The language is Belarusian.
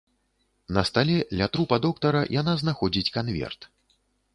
На стале, ля трупа доктара яна знаходзіць канверт.